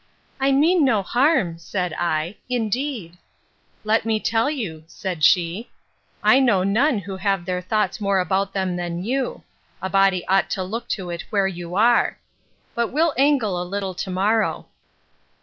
—I mean no harm, said I, indeed. Let me tell you, said she. I know none who have their thoughts more about them than you. A body ought to look to it where you are. But we'll angle a little to morrow.